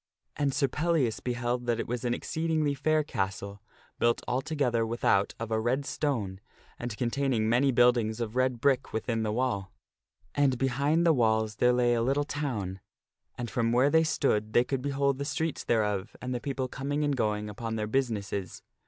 And Sir Pellias beheld that it was an exceedingly fair castle, built altogether without of a red stone, and containing many buildings of red brick within the wall. And behind the walls there lay a little town, and from where they stood they could behold the streets thereof, and the people coming and going upon their businesses.